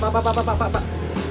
pak pak pak